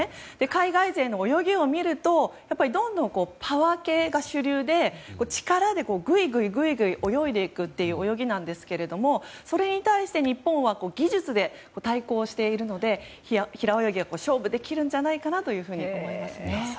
海外勢の泳ぎを見ると、やっぱりパワー系が主流で力で、ぐいぐい泳いでいくという泳ぎなんですがそれに対して日本は技術で対抗しているので平泳ぎだと勝負できるんじゃないかなと思います。